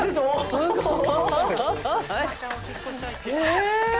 すごい！